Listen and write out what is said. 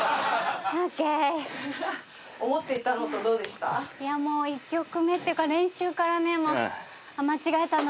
もう１曲目っていうか練習からね。